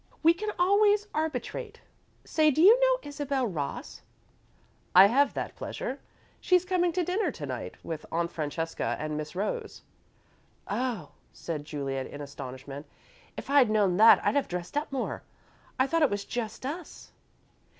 We can always arbitrate. Say, do you know Isabel Ross?" "I have that pleasure. She's coming to dinner to night, with Aunt Francesca and Miss Rose." "Oh," said Juliet, in astonishment. "If I'd known that, I'd have dressed up more. I thought it was just us."